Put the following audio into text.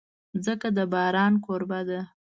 مځکه د باران کوربه ده.